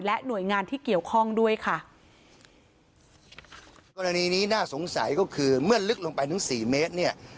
หน่วยงานที่เกี่ยวข้องด้วยค่ะกรณีนี้น่าสงสัยก็คือเมื่อลึกลงไปถึงสี่เมตรเนี่ย